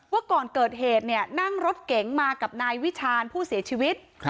ว่าก่อนเกิดเหตุเนี่ยนั่งรถเก๋งมากับนายวิชาญผู้เสียชีวิต